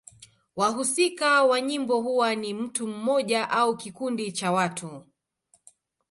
Wahusika wa nyimbo huwa ni mtu mmoja au kikundi cha watu.